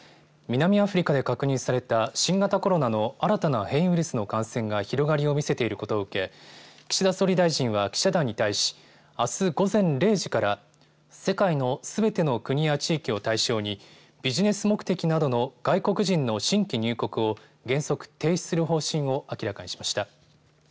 南アフリカで確認された新型コロナの新たな変異ウイルスの感染が広がりをみせていることを受け岸田総理大臣は記者団に対しあす午前０時から世界のすべての国や地域を対象にビジネス目的などの外国人の新規入国を原則停止する方針を明らかにしました。